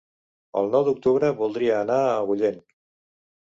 El nou d'octubre voldria anar a Agullent.